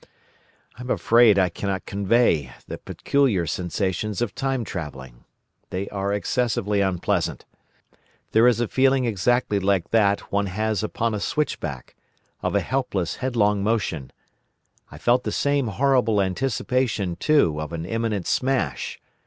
"I am afraid I cannot convey the peculiar sensations of time travelling. They are excessively unpleasant. There is a feeling exactly like that one has upon a switchback—of a helpless headlong motion! I felt the same horrible anticipation, too, of an imminent smash.